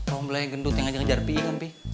rombla yang gendut yang aja ngejar bi ngom bi